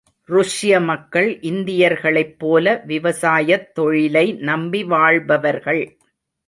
ருஷ்ய மக்கள் இந்தியர்களைப் போல விவசாயத் தொழிலை நம்பி வாழ்பவர்கள்.